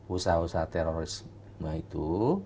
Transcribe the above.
usaha usaha terorisme itu